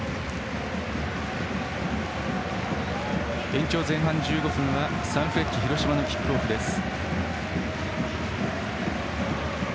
延長前半１５分はサンフレッチェ広島のキックオフです。